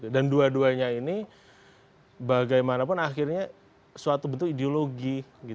dan dua duanya ini bagaimanapun akhirnya suatu bentuk ideologi